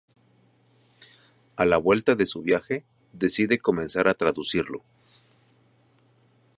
A la vuelta de su viaje decide comenzar a traducirlo.